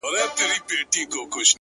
مُريد ښه دی ملگرو او که پير ښه دی؛